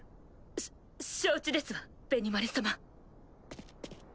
しょ承知ですわベニマル様。